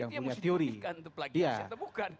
ya itu yang harus diperhatikan untuk pelagiasi atau bukan